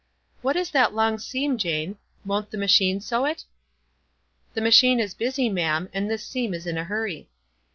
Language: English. "What is that long seam, Jane? won't the machine sew it?" "The machine is busy, ma'am, and this seam is in a hurry."